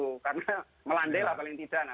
karena melandai lah paling tidak